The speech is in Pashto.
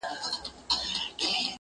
بد سړی چې د چا له کوره وي